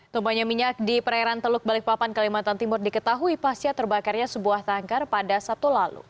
tumpahnya minyak di perairan teluk balikpapan kalimantan timur diketahui pasca terbakarnya sebuah tangkar pada sabtu lalu